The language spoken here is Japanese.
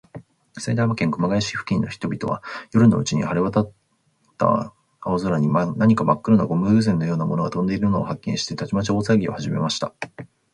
埼玉県熊谷市付近の人々は、夜のうちに晴れわたった青空に、何かまっ黒なゴム風船のようなものがとんでいるのを発見して、たちまち大さわぎをはじめました。